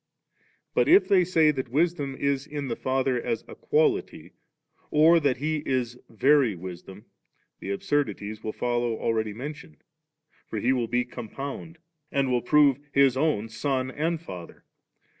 But if they say that Wisdom is in the Father as a quality or that He is Very Wisdom S the absurdities wQl follow already mentioned For He will be compound^, and will prove His own Son and Father^.